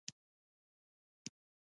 دوی خپل ټول مذهبي ضد په تاخچه کې ایښی وي.